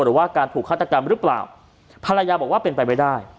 หรือว่าการถูกฆาตกรรมหรือเปล่าภรรยาบอกว่าเป็นไปไม่ได้